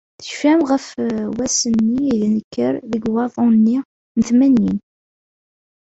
Tecfam ɣef wasmi i d-nekker deg waḍu-nni n tmanyin.